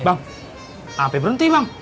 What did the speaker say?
eh bang apa berhenti bang